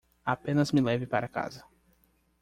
Apenas me leve pra casa.